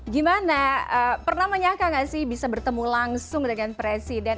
gimana pernah menyangka gak sih bisa bertemu langsung dengan presiden